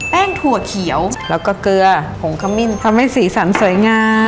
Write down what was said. ถั่วเขียวแล้วก็เกลือผงขมิ้นทำให้สีสันสวยงาม